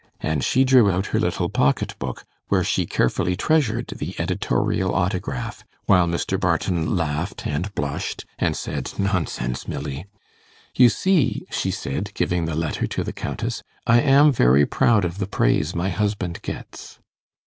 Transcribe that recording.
And she drew out her little pocket book, where she carefully treasured the editorial autograph, while Mr. Barton laughed and blushed, and said, 'Nonsense, Milly!' 'You see,' she said, giving the letter to the Countess, 'I am very proud of the praise my husband gets.